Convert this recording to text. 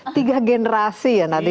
tiga generasi ya nanti